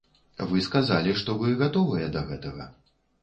Вы сказалі, што вы гатовыя да гэтага.